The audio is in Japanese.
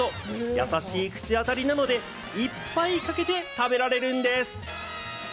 優しい口当たりなので、いっぱいかけて食べられるんです。